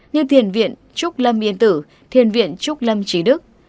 như thiền viện trúc lâm yên tử thiền viện trúc lâm trí đức